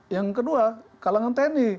yang kedua kalangan teni